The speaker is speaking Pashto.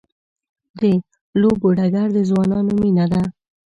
د لوبو ډګر د ځوانانو مینه ده.